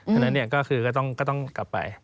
เพราะฉะนั้นก็ต้องกลับไป